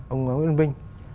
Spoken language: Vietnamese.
ông nguyễn vinh